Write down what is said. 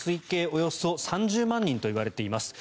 およそ３０万人といわれています。